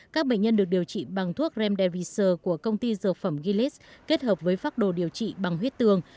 các bệnh nhân được điều trị bằng thuốc remdesivir của công ty dược phẩm gillis kết hợp với pháp đồ điều trị bằng huyết tương